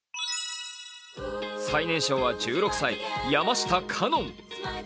最年少は１６歳、山下花音。